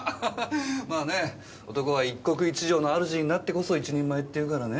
まあね男は一国一城の主になってこそ一人前っていうからねぇ。